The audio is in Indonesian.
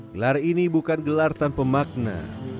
gelar ini bukan gelar tanpa makna